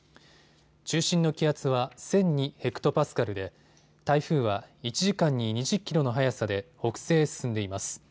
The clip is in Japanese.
中心の気圧は１００２ｈＰａで台風は１時間に２０キロの速さで北西へ進んでいます。